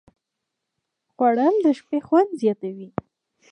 خوړل د شپې خوند زیاتوي